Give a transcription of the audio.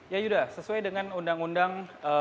ya yuda sesuai dengan undang undang